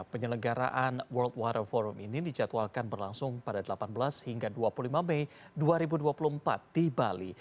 penyelenggaraan world water forum ini dijadwalkan berlangsung pada delapan belas hingga dua puluh lima mei dua ribu dua puluh empat di bali